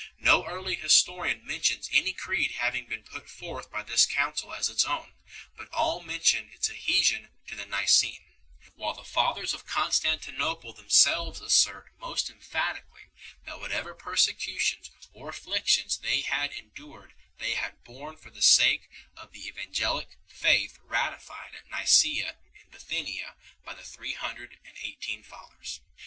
No early historian mentions any Creed having been put forth by this council as its own, but all mention its adhesion to the Nicene ; while the Fathers of Constan tinople themselves assert most emphatically that whatever persecutions or afflictions they had endured they had borne for the sake of the evangelic faith ratified at Nicsea in Bithynia by the three hundred and eighteen Fathers 4